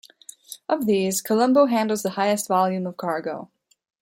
Of these, Colombo handles the highest volume of cargo.